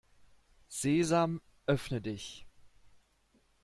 Sesam, öffne dich!